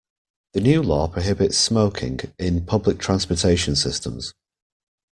The new law prohibits smoking in public transportation systems.